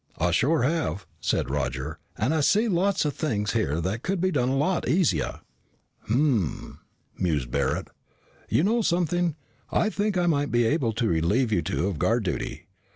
"I sure have," said Roger. "And I see a lot of things here that could be done a lot easier." "Hum," mused Barret. "You know something. I think I might be able to relieve you two of guard duty.